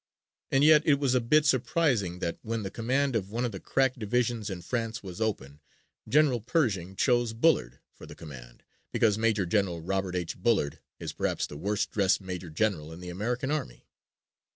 And yet it was a bit surprising that when the command of one of the crack divisions in France was open, General Pershing chose Bullard for the command because Major General Robert H. Bullard is perhaps the worst dressed major general in the American army.